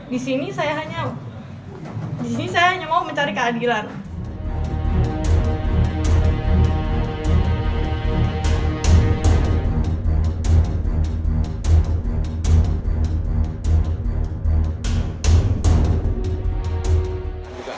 di sini saya hanya mau mencari keadilan